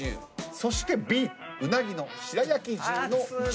そしてＢうなぎの白焼重の上。